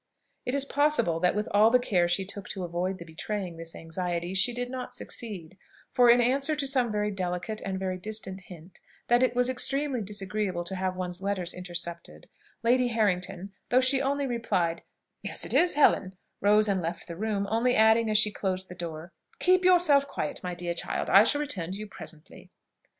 It is possible, that with all the care she took to avoid the betraying this anxiety, she did not succeed; for, in answer to some very delicate and very distant hint, that it was extremely disagreeable to have one's letters intercepted, Lady Harrington, though she only replied, "Yes, it is, Helen," rose and left the room, only adding as she closed the door, "Keep yourself quiet, my dear child: I shall return to you presently."